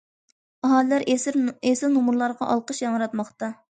ئاھالىلەر ئېسىل نومۇرلارغا ئالقىش ياڭراتماقتا.